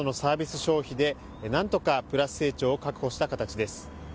消費でなんとかプラス成長を確保した形です。